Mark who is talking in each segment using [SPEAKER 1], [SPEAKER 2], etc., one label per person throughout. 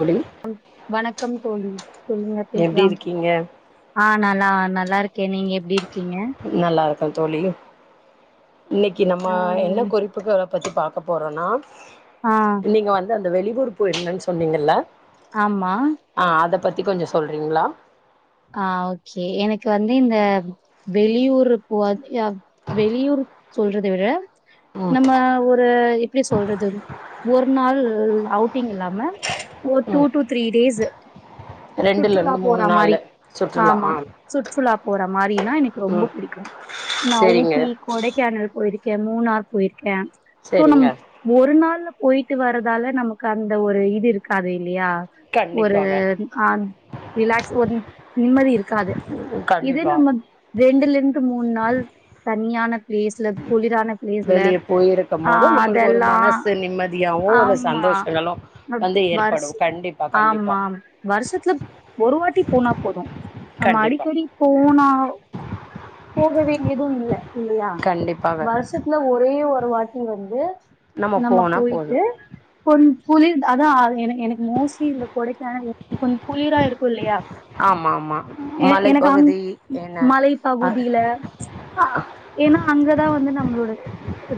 [SPEAKER 1] தோழி
[SPEAKER 2] வணக்கம் தோழி சொல்லுங்க
[SPEAKER 1] எப்டி
[SPEAKER 2] பேசலாம்
[SPEAKER 1] இருக்கீங்க
[SPEAKER 2] ஆஹ நல். நா நல்லா இருக்கே நீங்க எப்பிடி இரு. கிங்க.
[SPEAKER 1] கோ தோழி. இன்னிக்கு நம்ம
[SPEAKER 2] ஆ
[SPEAKER 1] என்ன குறிப்புக்கு பத்தி பா. பாக்இ போறன்னா.
[SPEAKER 2] ஆ
[SPEAKER 1] நீங்க வந்து அந். இந்த வெளி பொறுப்பு என்னன்னு சொன்னீங்கல்ல.
[SPEAKER 2] ஆமா.
[SPEAKER 1] ஆ அத பத்தி கொஞ்சோ சொல்றீங்களா.
[SPEAKER 2] ஆஹ ஓகே எனக்கு வந்து இந்த வெளியூர் போ வெளியூர் சொல்றது விட.
[SPEAKER 1] ம்
[SPEAKER 2] நம்ம ஊர். எ எப்படி சொல்றது ஒரு நாள் அவுட்டிங் இல்லாம ஒரு டூ
[SPEAKER 1] ம்
[SPEAKER 2] டூ த்ரீ டேஸ்.
[SPEAKER 1] ரெண்டுல
[SPEAKER 2] சுற்றுலா
[SPEAKER 1] இருந்து
[SPEAKER 2] போற
[SPEAKER 1] மூணு
[SPEAKER 2] மாரி
[SPEAKER 1] நாலு.
[SPEAKER 2] ஆமா சுற்றுலா போற மாரிதா எனக்கு ரொம்ப
[SPEAKER 1] ம்
[SPEAKER 2] பிடிக்கும். நா
[SPEAKER 1] செரிங்க
[SPEAKER 2] ஊட்டி, கொடைக்கானல் போ. போயிருக்கே. மூணார் போயிருக்கே. சோ நம்
[SPEAKER 1] செரிங்க
[SPEAKER 2] ஒரு நாள்ல. போயிட்டு வர்தால நமக்கு அந்த ஒரு இது இருக்காது இல்லையா. ஒரு
[SPEAKER 1] கண்டிப்பாக
[SPEAKER 2] அ ரிலாக்ஸ் ஒ. நிம்மதி இருக்காது இத
[SPEAKER 1] கண்டிப்பா
[SPEAKER 2] நம்ம ரெண்டுல இருந். து மூணு நாள். தனியான பிளேஸ்ல குளிரான. பிளேஸ்ல
[SPEAKER 1] வெளிய போயிருக்கும்
[SPEAKER 2] ஆ
[SPEAKER 1] போது நம்மளுக்கு ஒரு
[SPEAKER 2] அதெல்லா
[SPEAKER 1] மனசு நிம்மதி.
[SPEAKER 2] ஆமா
[SPEAKER 1] ஏற்படு
[SPEAKER 2] வருஷோ
[SPEAKER 1] கண்டிப்பா கண்டிப்பா
[SPEAKER 2] ஆமா வருஷத்துல ஒரு வாட்டி போனா போது நம்ம
[SPEAKER 1] கண்டிப்பா
[SPEAKER 2] அடிக்கடி போனா. போகவேண்டியதும் இல்ல இல்லையா
[SPEAKER 1] கண்டிப்பாக
[SPEAKER 2] வருஷத்துல ஒரே ஒரு. ஒரு வாட்டி வந்து.
[SPEAKER 1] நம்ம போனா போது.
[SPEAKER 2] து கொஞ். குளிர் அதா என எனக்கு மோஸ்ட்லி இந்த கொடை. கானல் கொஞ்சோ குளிரா இருக்கு இல்லையா.
[SPEAKER 1] ஆமா ஆமா
[SPEAKER 2] ஏ எனக்கு அங்க
[SPEAKER 1] மலைப்பகுதி என்ன அ
[SPEAKER 2] மலைப்பகுதியில ம்ச்ஏன்னா அங்கதா வந்து நம்மளோட.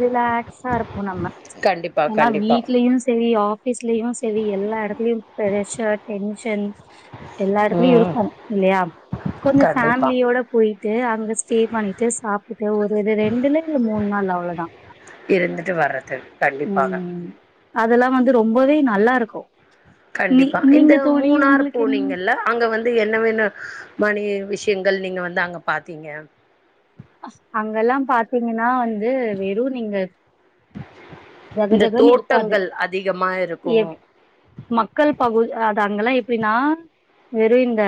[SPEAKER 2] ரிலாக்ஸா இருப்போம் நம்ம
[SPEAKER 1] கண்டிப்
[SPEAKER 2] ஏன்னா வீட்லயும் சரி ஆபீ ஆஃபீஸ்லயும் செரி எல்லா இடத்துலயும் பிரெஷர் டென்ஷன் எல்லா இடத்துலயும்
[SPEAKER 1] ம்
[SPEAKER 2] இருக்கும் இல்லையா கொஞ்சம்
[SPEAKER 1] கண்டிப்பா
[SPEAKER 2] ஃபேமிலியோட போயிட்டு அங்க ஸ்டே பண்ணிட்டு சாப்பிட்டு ஒரு இ ரெண்டுல இல்ல மூணு நாள் அவ்ளோதான்
[SPEAKER 1] பாங்க
[SPEAKER 2] அதெல்லாம் வந்து ரொம்பவே நல்லாருக்கும்
[SPEAKER 1] கண்டிப்பா இந்த மூணார்
[SPEAKER 2] என்ன
[SPEAKER 1] போனீங்கல்ல அங்க வந்து என்ன வேன்னு மனி விஷயங்கள் நீங்க வந்து அங்க பாத்தீங்க
[SPEAKER 2] அங்கல்லாம் பாத்தீங்கன்னா வந்து வெறும் நீங்க ஜக
[SPEAKER 1] இந்த
[SPEAKER 2] ஜகன்னு இருக்காது
[SPEAKER 1] தோட்டங்கள் அதிகமா இருக்கு
[SPEAKER 2] எப் மக்கள் பகு அங்கல்லாம் எப்பினா வெறும் இந்த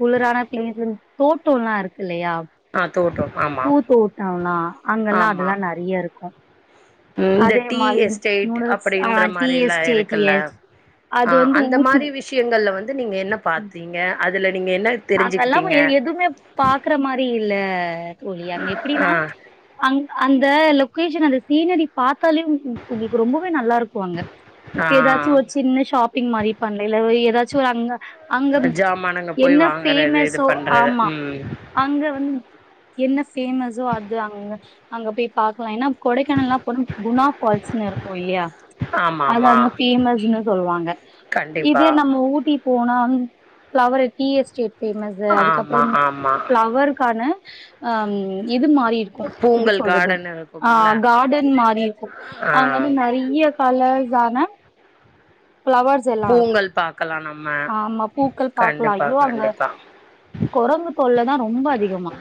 [SPEAKER 2] குளரான பிளேஸ் தோட்டம்ல்லாம் இருக்கு இல்லையா
[SPEAKER 1] ஆ தோட்டோ ஆமா
[SPEAKER 2] பூ தோட்டல்லாம் அங்கல்லாம்
[SPEAKER 1] ஆமா
[SPEAKER 2] அதெல்லாம் நறைய இருக்கும்
[SPEAKER 1] ம் இந்த டீ எஸ்டேட்
[SPEAKER 2] ஆ
[SPEAKER 1] அப்படின்ற
[SPEAKER 2] டி எஸ்
[SPEAKER 1] மாரிலாம்
[SPEAKER 2] ஜே டி
[SPEAKER 1] இருக்குல்ல
[SPEAKER 2] எஸ் அது
[SPEAKER 1] அஹ்
[SPEAKER 2] வந்து
[SPEAKER 1] அந்த
[SPEAKER 2] ஊட்டி
[SPEAKER 1] மாதிரி விஷயங்கள்ல வந்து நீங்க என்ன பாத்தீங்க அதுல நீங்க என்ன
[SPEAKER 2] அங்கெல்லாம்
[SPEAKER 1] தெரிஞ்சுக்கிட்டீங்க
[SPEAKER 2] எதுவுமே பாக்குற மாரி இல்ல அ போலியாங்க எப்படின்னா
[SPEAKER 1] ஆ
[SPEAKER 2] அங்க அந்த லொக்கேஷன் அந்த சீனரி பாத்து த்தாலே உங்களுக்கு ரொம்பவே நல்லா இருக்கும் அங்க
[SPEAKER 1] ஆ
[SPEAKER 2] ஏதாச்சும் ஒரு சின்ன ஷாப்பிங் மாரி பண்ணல இ ஏதாச்சும் ஒரு அங்க அங்க
[SPEAKER 1] ஜாமானுங்க போய்
[SPEAKER 2] என்ன
[SPEAKER 1] வாங்கறது இது
[SPEAKER 2] பேமஸோ
[SPEAKER 1] பண்றது
[SPEAKER 2] ஆமா
[SPEAKER 1] ம்
[SPEAKER 2] அங்க வந்து என்ன ஃபேமஸோ அது அங்க அங்க போய் பாக்கலாம் ஏன்னா கொடைக்கானல்லாம் போன குணா பால்ஸ்ன்னு இரு கொய்யா
[SPEAKER 1] ஆமா
[SPEAKER 2] அது
[SPEAKER 1] ஆமா
[SPEAKER 2] அங்க பேமஸ்ன்னு சொல்லுவாங்க
[SPEAKER 1] கண்டிப்பா
[SPEAKER 2] இதே நம்ம ஊட்டி போனா ப்ளவரு டீ எஸ்டேட் ஃபெமஸ்ஷு
[SPEAKER 1] ஆமா
[SPEAKER 2] அதுக்கப்புறம்
[SPEAKER 1] ஆமா
[SPEAKER 2] ஃபிளவர்கானு ஆம் இது மாறி இருக்கும் எப்படி
[SPEAKER 1] பூங்கல்
[SPEAKER 2] சொல்றது
[SPEAKER 1] கார்டன் இருக்கும்ல
[SPEAKER 2] ஆஹ் கார்டன் மாறி இருக்கும்
[SPEAKER 1] ஆ
[SPEAKER 2] அங்க வந்து நறைய கலர் ஜான பிளவர்ஸ் எல்லாம் இருக்கும்
[SPEAKER 1] பூங்கல் பாக்கலா நம்ம
[SPEAKER 2] ஆ ஆமா பூக்கள் பார்கலா
[SPEAKER 1] கண்டிப்பா
[SPEAKER 2] ஐயோ அங்க
[SPEAKER 1] கண்டிப்பா
[SPEAKER 2] கொரங்கு தொல்ல தான் ரொம்ப அதிகமா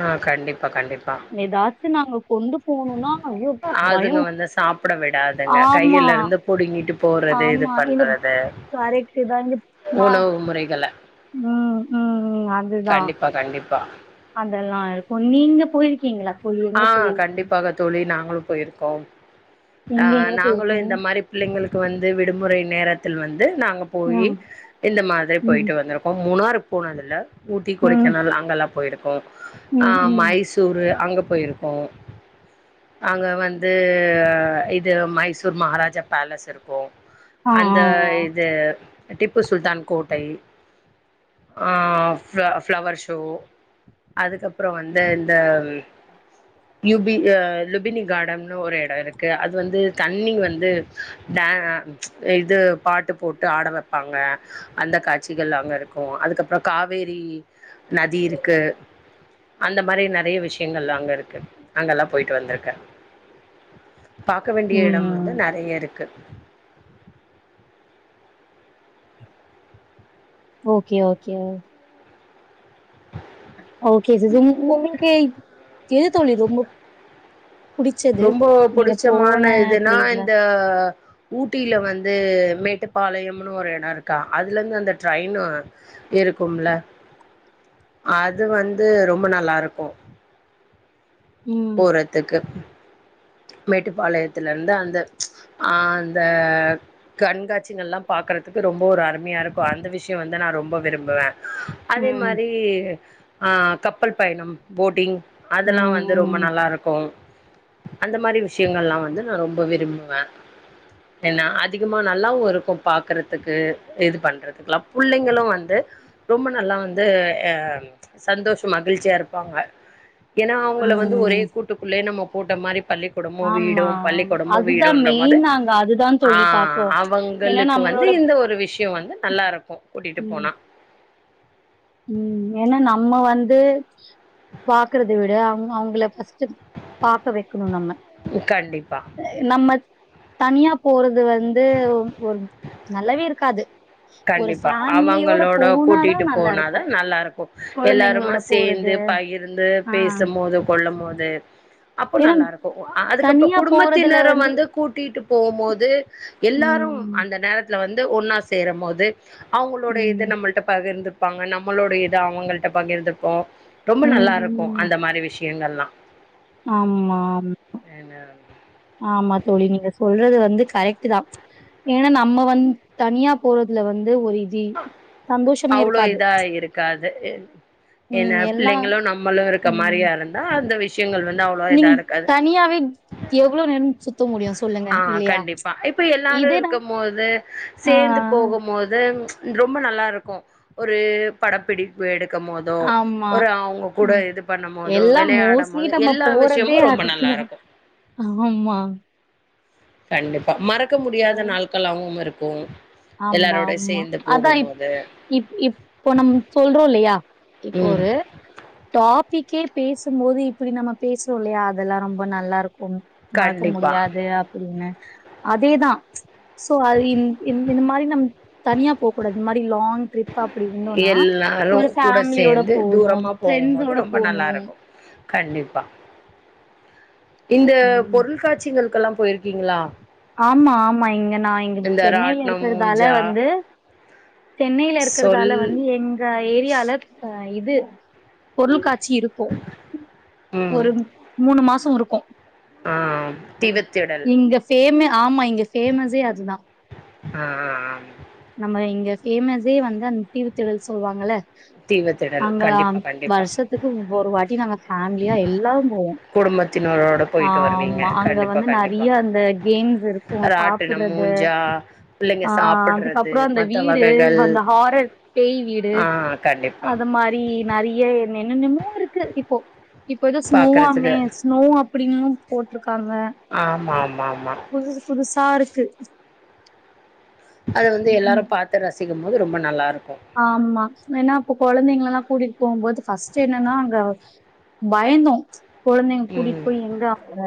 [SPEAKER 1] ஆ கண்டிப்பா கண்டிப்பா
[SPEAKER 2] ஏதாச்சும் நாங்க கொண்டு போணும்னா ஐயோ பயோ
[SPEAKER 1] அதுங்க வந்து சாப்பிட விடாதுங்க
[SPEAKER 2] ஆமா
[SPEAKER 1] கையில இருந்து புடுங்கிட்டு போடுறது இது பண்றது
[SPEAKER 2] கரெக்ட்
[SPEAKER 1] உணவு முறைகளை
[SPEAKER 2] உஹம் உஹம் உஹம்
[SPEAKER 1] கண்டிப்பா கண்டிப்பா
[SPEAKER 2] அதெல்லாம் இருக்கும் நீங்க போயிருக்கீங்களா தோழி எங்க
[SPEAKER 1] ஆஹ்
[SPEAKER 2] போய்
[SPEAKER 1] கண்டிப்பாக தோழி நாங்களும் போயிருக்கோம்
[SPEAKER 2] நீங்க
[SPEAKER 1] ஆஹ்
[SPEAKER 2] எங்க
[SPEAKER 1] நாங்களும்
[SPEAKER 2] போயிருக்கீங்க
[SPEAKER 1] இந்த மாரி பிள்ளைங்களுக்கு வந்து விடுமுறை நேரத்தில் வந்து நாங்க போய்
[SPEAKER 2] ம்
[SPEAKER 1] இந்த மாதிரி போயிட்டு
[SPEAKER 2] ம்
[SPEAKER 1] வந்திருக்கோம் மூணாறு போனதில்ல ஊட்டி
[SPEAKER 2] ம்
[SPEAKER 1] கொடைக்கனல் அங்க எல்லாம் போயிக் ஒ
[SPEAKER 2] ம்
[SPEAKER 1] ஆஹ்
[SPEAKER 2] ம்
[SPEAKER 1] மைசூரு அங்க போயிருக்கோம் அங்க வந்து இது மைசூர் மகாராஜா பேலஸ் இருக்கோம்
[SPEAKER 2] ஆ
[SPEAKER 1] அந்த
[SPEAKER 2] ஆ ஆ
[SPEAKER 1] இது டிப்பு சுல்தான் கோட்டை அஹ் ஃப்ளவ் ஃப்ளவர் ஷோ அதுக்கப்புறம் வந்து இந்த லூபி லுபினி கார்டன்னு ஒரு இடம் இருக்கு அது வந்து தண்ணி வந்து டே ச்சு இது பாட்டு போட்டு ஆட வைப்பாங்க அந்த காட்சிகள் அங்க இருக்கும் அதுக்கப்புறம் காவேரி நதி இருக்கு அந்த மாரி நிறைய விஷயங்கள் அங்க இருக் கு அங்கெல்லாம் போயிட்டு வந்திருக்கே பாக்க வேண்டிய இடம்
[SPEAKER 2] ம்
[SPEAKER 1] வந்து நிறைய இருக்கு
[SPEAKER 2] ஓக்கே ஓக்கே ஓக்கே சிஸ்சம் உங்க உங்களுக்கே எது தோழி ரொம்பப்
[SPEAKER 1] ரொம்ப புடிச்சமான இதுன்னா
[SPEAKER 2] பிளேஸ்ல
[SPEAKER 1] இந்த ஊட்டில வந்து மேட்டுப் பாளையம்ன்னு ஒரு எடம் இருக்கு க்கா அதுல இருந்து அந்த டிரைன் இருக்கும்ல அது வந்து ரொம்ப நல்லா இருக்கோம்
[SPEAKER 2] ம்
[SPEAKER 1] போறதுக்கு மேட்டுப்பாளையத்ல இருந்து அந்த ச்சு ஆஹ் அந்த கண்காட்சின்கள் எல்லாம் பாக்குறதுக்கு ரொம்ப ஒரு அருமையா இருக்கும் அந்த விஷயம் வந்து நான் ரொம்ப விரும்புவேன் அதே
[SPEAKER 2] ம்
[SPEAKER 1] மாரி. ஆஹ கப்பல் பயணம் போட்டிங். அதெல்லா வந். வந்து ரொம்ப
[SPEAKER 2] ம்
[SPEAKER 1] நல்லா இருக்கு. அந்த மாரி விஷயங்கள்லாம் வந்து நா ரொம்ப விரும்புவ. ஏன்னா அதிகமா நல்லாவும் இருக்கும் பாக்குறதுக்கு இது பண்றதுக்கெல்லாம் புள்ளைங்களும் வந்து ரொம்ப நல்லா வந்து ஆஹ சந்தோஷம் மகிழ்ச்சியா இருப்பாங்க ஏன்னா. அவங்கள வந்து ஒரே
[SPEAKER 2] ம்
[SPEAKER 1] கூட்டுக்குள்ளயே நம்ம. போட்ட மாரி. பள்ளிக்கூடமும்
[SPEAKER 2] ஆமா
[SPEAKER 1] வீடும் பள்ளிக்கூடமும்
[SPEAKER 2] அதுதா
[SPEAKER 1] வீடும்ன்ற மோது
[SPEAKER 2] மெயின் நாங்க அதுதா தோழி
[SPEAKER 1] ஆஹ
[SPEAKER 2] பாத்தோ ஏன்னா
[SPEAKER 1] அவங்களுக்கு வந்து
[SPEAKER 2] நம்மளோட
[SPEAKER 1] இந்த ஒரு விஷயோ வந்து. நல்லாருக்கும். கூட்டிட்டு போனா.
[SPEAKER 2] உம் ஏன்னா நம்ம வந்து. பார்க்கறது விடு. அவுங்க அவுங்கல பஸ். பாக்க வைக்கணும் நம்ம
[SPEAKER 1] கண்டிப்பா
[SPEAKER 2] நம்ம. தனியா போறது வந்து ஒரு நல்லாவே இருக்காது. ஒரு
[SPEAKER 1] கண்டிப்பா
[SPEAKER 2] ஃபேமிலியோட
[SPEAKER 1] அவங்களோட
[SPEAKER 2] போனாதா
[SPEAKER 1] கூட்டிட்டு
[SPEAKER 2] நல்லா
[SPEAKER 1] போனாதா.
[SPEAKER 2] இருக்கு
[SPEAKER 1] நல்லா இருக்கும். எல்லாருமா
[SPEAKER 2] கொழந்தைங்களோட போறது
[SPEAKER 1] சேர்ந்து பகிர்ந்து
[SPEAKER 2] ஆ
[SPEAKER 1] பேசும்போது கொள்ளம் போது. அப்போ
[SPEAKER 2] ஏன்னா
[SPEAKER 1] நல்லா இருக்கும் அதுக்கப்புறோ
[SPEAKER 2] தனியா போறதுல
[SPEAKER 1] குடும்பத்தினரு வந்து கூட்டிட்டு. போம்போது. எல்லாரும்
[SPEAKER 2] ம்
[SPEAKER 1] அந்த நேரத்துல வந்து. ந்து ஒன்னா சேரும் போது. அது. அவங்களோட இத
[SPEAKER 2] ம்
[SPEAKER 1] நம்மள்ட பகிர்ந்து. ப்பாங்க நம்மளோட இது அவங்கள்ட்ட பகிர்ந்துப்போ. ரொம்ப
[SPEAKER 2] ம்
[SPEAKER 1] நல்லா இருக்கு
[SPEAKER 2] ம்.
[SPEAKER 1] அந்த மாரி விஷயங்கள்ல்லா.
[SPEAKER 2] ஆமா ஆம். ஆமா தோழி நீங்க சொல்றது வந்து. கரெக்ட்தா. ஏன்னா நம்ம வந்து தனியா போறதுல வந்து ஒரு. இது சந்தோஷமே
[SPEAKER 1] அவ்வளவு
[SPEAKER 2] இருக்காது.
[SPEAKER 1] இதா இருக்காது.
[SPEAKER 2] ம்
[SPEAKER 1] என்ன
[SPEAKER 2] எல்லா
[SPEAKER 1] பிள்ளைங்களும் நம்மளும் இருக்க மாரியா இருந்தா அந்த விஷ்.
[SPEAKER 2] நீங்க தனியாவே எவ்வளோ. [unintelligible]
[SPEAKER 1] ஆஹ கண்டிப்பா இப்ப எல்லாரும்
[SPEAKER 2] இதே நம்
[SPEAKER 1] இருக்கும் போது
[SPEAKER 2] ஆ
[SPEAKER 1] சேர்ந்து போகும்போது ம்ச். ரொம்ப நல்லா இருக்கும் ஒரு படப்பிடிப்பு எடு. இருக்கும் போதோ.
[SPEAKER 2] ஆமா.
[SPEAKER 1] ஒரு அவங்க கூட
[SPEAKER 2] ம்
[SPEAKER 1] இது பண்ணும் போதோ
[SPEAKER 2] எல்லாம்
[SPEAKER 1] விளையாடும்
[SPEAKER 2] மோஸ்ட்லி
[SPEAKER 1] போதே
[SPEAKER 2] நம்ம
[SPEAKER 1] எல்லா
[SPEAKER 2] போறதே
[SPEAKER 1] விஷயமும் ரொம்ப நல்லா
[SPEAKER 2] அதுக்குதான்.
[SPEAKER 1] இருக்கு.
[SPEAKER 2] ஆமா.
[SPEAKER 1] கண்டிப் பா மறக்க முடியாத நாள்களாவு இரு க்கும்
[SPEAKER 2] ஆமா ஆமா அதா இப் இப் இப்போ நம்ம சொல்றோ இல்லையா இப்போ
[SPEAKER 1] ம்
[SPEAKER 2] ஒரு டாபிக் கே பேசும்போது இப்பிடி நம்ம பேசுறோ இல்லையா அதெல்லா ரொம்ப நல்லா இருக் கும் மறக்க
[SPEAKER 1] கண்டிப்பா
[SPEAKER 2] முடியாது அப்டின்னு அதேதா சோ அது இந் இந் இந்த மாரி நம் தனியா போக் கூடாது இந்த மாரி லாங் ட்ரிப் அப்டி இருந்தோனா
[SPEAKER 1] எல்லாரு
[SPEAKER 2] ஒரு
[SPEAKER 1] கூட
[SPEAKER 2] ஃபேமிலியோட
[SPEAKER 1] சேந்து
[SPEAKER 2] போகணு
[SPEAKER 1] தூரமா போகும்போது
[SPEAKER 2] ஃப்ரெண்ட்ஸோட
[SPEAKER 1] ரொம்ப
[SPEAKER 2] போகணு
[SPEAKER 1] நல்லா இருக்கு கண்டிப்பா இந்த
[SPEAKER 2] ம்
[SPEAKER 1] பொருள் காட்சிகளுக்கெல்லா போயிருக்கீங்களா
[SPEAKER 2] ஆமா ஆமா இங்க நா இங்க
[SPEAKER 1] இந்த
[SPEAKER 2] சென்னையில
[SPEAKER 1] ராட்னம்,
[SPEAKER 2] இருக்கிறதால
[SPEAKER 1] மூஞ்சா,
[SPEAKER 2] வந்து சென்னையில
[SPEAKER 1] சொல்
[SPEAKER 2] இருக்கறதால வந்து எங்க ஏரியால ஆ இது [inaudible] பொருள்காட்சி இருக்கு ஒரு மூணு மாச து இருக்கும்
[SPEAKER 1] ஆஹ் தீவுத்திடல்
[SPEAKER 2] ஃபேம ஆமா இங்க ஃபேமஸே அதுதா
[SPEAKER 1] ஆஹ் ஆஹ் ஆ
[SPEAKER 2] நம்ம இங்க ஃபேமஸே வந்து அந்த தீவுத்திடல் சொல்வாங்கல்ல
[SPEAKER 1] தீவத்திடல்.
[SPEAKER 2] அங்க அ
[SPEAKER 1] கண்டிப்பா, கண்டிப்பா.
[SPEAKER 2] வருஷத்துக்கு ஒரு வாட்டி நாங்க ஃபேமிலியா எல்லாரும் போவோ
[SPEAKER 1] குடும்பத்தினரோடு போயிட்டு வருவீங்க
[SPEAKER 2] ஆமா அங்க
[SPEAKER 1] கண்டிப்பா
[SPEAKER 2] வந்து
[SPEAKER 1] கண்டிப்பா
[SPEAKER 2] நெறைய அந்த கேம்ஸ் இருக்கு
[SPEAKER 1] ராட்டினம்
[SPEAKER 2] சாப்புட்றது
[SPEAKER 1] மூஞ்சா பிள்ளைங்க சாப்பிடுற
[SPEAKER 2] அப்றோ அந்த வீடு அந்த ஹாரர் பேய் வீடு
[SPEAKER 1] ஆ கண்டிப்பா.
[SPEAKER 2] அத மாரி நெறைய என்னன்னமோ இருக்கு இப்போ இப்ப ஏதோ ஸ்னோவாமே ஸ்னோ அப்டின்னு போட்ரு
[SPEAKER 1] ஆமா ஆமா ஆமா
[SPEAKER 2] தா இருக்கு
[SPEAKER 1] அத வந்து எல்லாரு பாத்து ரசி போவுபோது ரொம்ப நல்லாருக்.
[SPEAKER 2] ஆம்மா ஏன்னா அப்போ குழந்தைங்கள எல்லா
[SPEAKER 1] கண்டிப்பா.
[SPEAKER 2] கூட்டிகிட்டு போகும்போது பஸ்ட் என்னன்னா அங்க. பயந்தோ ம்ச். குழந்தைங்க
[SPEAKER 1] ம்.
[SPEAKER 2] கூட்டிட்டு போயி எங்க அங்க.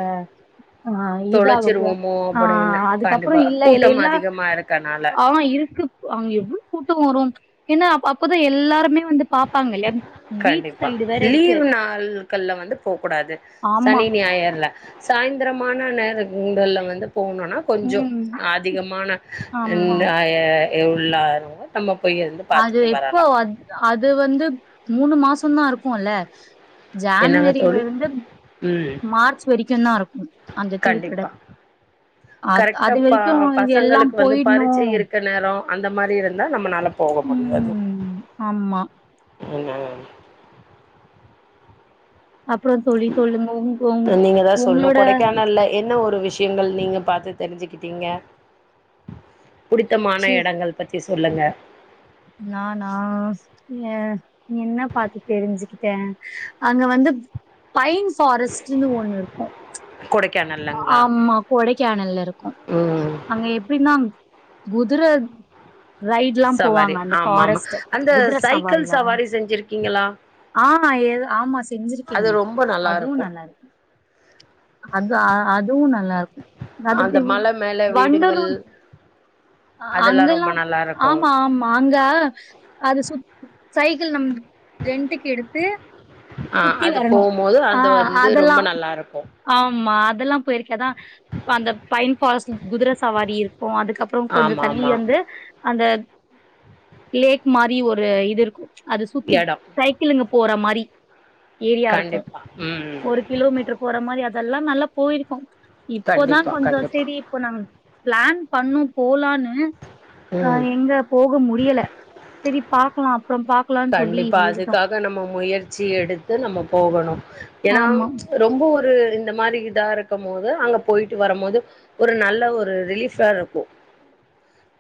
[SPEAKER 2] ஆஹ இத ஆக போயி.
[SPEAKER 1] தொலைச்சிருவோமோ அப்படின்னு
[SPEAKER 2] ஆஹ அதுக்கப்புறோ
[SPEAKER 1] கண்டிப்பா
[SPEAKER 2] இல்ல இல
[SPEAKER 1] கூட்டம்
[SPEAKER 2] எல்லா
[SPEAKER 1] அதிகமா இருக்கனால
[SPEAKER 2] ஹ இருக்கு அங்க எவ்ளோ கூட்டம் வரு. ஏன்னா அப் அப்போதா எல்லாருமே. வந்து பாப்பாங்க இல்லையா பீச்
[SPEAKER 1] கண்டிப்பா
[SPEAKER 2] சைடு வேற இருக்கு
[SPEAKER 1] லீவ் நாள்கள்ல வந்து போக்கூடாது
[SPEAKER 2] ஆமா
[SPEAKER 1] சனி ஞாயிர்ல. சாய்திரமான நேரத். கும்பல்லவந்து போன்னும்னா கொஞ்சோ
[SPEAKER 2] ம்
[SPEAKER 1] அதிகமான
[SPEAKER 2] ஆமா
[SPEAKER 1] ந ய. ஏ உள்ளரா நம்ம. போய் இருந்து
[SPEAKER 2] அது
[SPEAKER 1] பாத்துட்டு
[SPEAKER 2] எப்போ
[SPEAKER 1] வரலா
[SPEAKER 2] அது அது. அது வந்து மூணு மாசோதா இருக்குல.
[SPEAKER 1] என்னங்க தோழி
[SPEAKER 2] ஜான்வரியில்லிருந்து
[SPEAKER 1] ம்
[SPEAKER 2] மார்ச் வெரிக்குதா இருக்கு. அந்த
[SPEAKER 1] கண்டிப்பா
[SPEAKER 2] தீவுத்தொடர் அ
[SPEAKER 1] கரெக்டா
[SPEAKER 2] அது
[SPEAKER 1] ப
[SPEAKER 2] வெரிக்கும் எல்லாம்
[SPEAKER 1] பசங்களுக்கு வந்து பரீட்சை
[SPEAKER 2] போயிட்ணும்.
[SPEAKER 1] இருக்க நேரோ அந்த மாரி இருந்தா நம்ம நல்லா. போக முடியாது.
[SPEAKER 2] ம் ஆமா
[SPEAKER 1] ஆம்மா.
[SPEAKER 2] அப்புறோ தோழி சொல்லுங்க உங் உங்
[SPEAKER 1] நீங்க தா சொல்ணு
[SPEAKER 2] உங்களோட.
[SPEAKER 1] கொடைக்கானல்ல என்ன விஷயங்கள் நீங்க பார்த்து தெரிஞ்சுகிட்டிங்க. புடித்தமான
[SPEAKER 2] சி
[SPEAKER 1] இடங்கள் பத்தி. தி சொல்லுங்க.
[SPEAKER 2] நானா ஹா ஏ என்ன பார்த்து தெரிஞ்சுக்கிட்ட. அங்க வந்து பைன் பாரஸ்ட்டுனு ஒண்ணு இருக்கு ம்ச்.
[SPEAKER 1] கொடைக்.
[SPEAKER 2] ஆமா கொடைக்கானல்ல இருக்கு.
[SPEAKER 1] ம்
[SPEAKER 2] அங்க எப்படிநா. குதுற. ரைடுல்லா
[SPEAKER 1] சவாரி
[SPEAKER 2] போவாங்க அந்த
[SPEAKER 1] ஆமா ஆமா
[SPEAKER 2] பாரஸ்ட்
[SPEAKER 1] அந்த
[SPEAKER 2] குதுர
[SPEAKER 1] சைக்கிள்
[SPEAKER 2] சவாரிலாமா.
[SPEAKER 1] சவாரி செஞ்சிருக்கீங்களா
[SPEAKER 2] ஆஹ ஆமா
[SPEAKER 1] அது
[SPEAKER 2] செஞ்சிருக்கேனே
[SPEAKER 1] ரொம்ப நல்லா
[SPEAKER 2] அதுவும்
[SPEAKER 1] இருக்கு
[SPEAKER 2] நல்லா இருக். அது அதுவும் நல்லா இருக்கு.
[SPEAKER 1] அந்த
[SPEAKER 2] அது
[SPEAKER 1] மல மேல வீடுங்கள்
[SPEAKER 2] வண்டலூர்
[SPEAKER 1] அதெல்லா ரொம்ப
[SPEAKER 2] அங்கல்லாம்
[SPEAKER 1] நல்லா இருக்கு
[SPEAKER 2] ஆமா ஆமா அங்க அது சுத். சைக்கிள் நம்ப ரெண்டுக்கு எடுத்து.
[SPEAKER 1] ஆ
[SPEAKER 2] சுத்தி
[SPEAKER 1] அது
[SPEAKER 2] வரணு.
[SPEAKER 1] போம்போது அது
[SPEAKER 2] ஆஹ
[SPEAKER 1] வந்து
[SPEAKER 2] அதெல்லா
[SPEAKER 1] ரொம்ப நல்லா இருக்கு
[SPEAKER 2] ஆமா அதெல்லா போயிருக்கதா. அந்த பைன் பாரஸ்ட் குதர சவாரி இருக்கு. ப்போ அதுக்கப்புறோ கொஞ்சோ
[SPEAKER 1] ஆமா
[SPEAKER 2] தல்லி
[SPEAKER 1] ஆமா
[SPEAKER 2] வந்து அந்த. லேக் மாரி ஒரு இது இருக்கு. அது சுத்தி
[SPEAKER 1] எடோ
[SPEAKER 2] சைக்கிளிங்கு. போற மாரி. ஏரியா இருக்கும.
[SPEAKER 1] கண்டிப்பா ம்
[SPEAKER 2] ஒரு கிலோமீட்டர் போற மாரி அதெல். எல்லாம் நல்லா போயிருக்கும் இப்போதான்
[SPEAKER 1] கண்டிப்பா
[SPEAKER 2] கொஞ்சம்
[SPEAKER 1] கண்டிப்பா
[SPEAKER 2] சோரி இப்போ நம் பிளான் பண்ணும் போலான்னு ம்
[SPEAKER 1] ம்
[SPEAKER 2] ஆஹ் எங்க போக முடியலை சரி பா க்லா
[SPEAKER 1] கண்டிப்பா அதுக்காக நம்ம முயற்சி எடு த்து நம்ம போகணும் ஏன்னா
[SPEAKER 2] ஆமா.
[SPEAKER 1] ரொம்ப ஒரு இந்த மாதிரி இதா இருக்கும் போது அங்க போயிட்டு வரும்போது ஒரு நல்ல ஒரு ரிலீஃபா இருக்கும்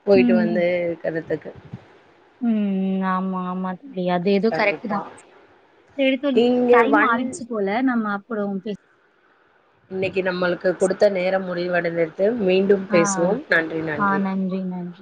[SPEAKER 1] போயிட்டு வந்து இருக்கிறதுதுக்கு
[SPEAKER 2] உம் ஆமா ஆமா ல்ல அது இது
[SPEAKER 1] கண்டிப்பா
[SPEAKER 2] கரெக்ட்தா [unintelligible]
[SPEAKER 1] இங்க
[SPEAKER 2] டைம்
[SPEAKER 1] வண்
[SPEAKER 2] ஆயடுச்சு போல நம்ம [unintelligible]
[SPEAKER 1] ந்னே நம்மளுக்கு கொடுத்த நேரம் முடிவடை து மீண்டும்
[SPEAKER 2] ஆ.
[SPEAKER 1] பேசுவோம் நன்றி
[SPEAKER 2] ஆ
[SPEAKER 1] நன்றி
[SPEAKER 2] மேம்